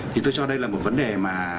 thì tôi cho đây là một vấn đề mà